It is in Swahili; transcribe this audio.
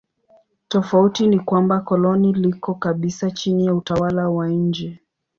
Tofauti ni kwamba koloni liko kabisa chini ya utawala wa nje.